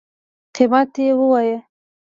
قیمت یی ووایه